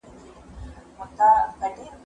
هغه وويل چي سينه سپين مهمه ده؟!